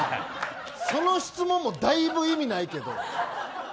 その質問も、だいぶ意味ないけど。